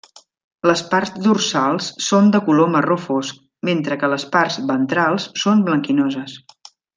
Les parts dorsals són de color marró fosc, mentre que les parts ventrals són blanquinoses.